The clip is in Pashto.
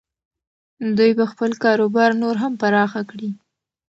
دوی به خپل کاروبار نور هم پراخ کړي.